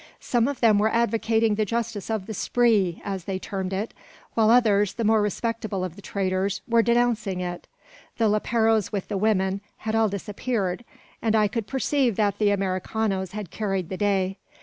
Some of them were advocating the justice of the "spree," as they termed it; while others, the more respectable of the traders, were denouncing it. The leperos with the women, had all disappeared, and I could perceive that the Americanos had carried the day.